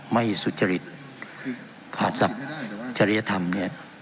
ไม่สุจริตผ่านสรรพจริยธรรมเนี่ย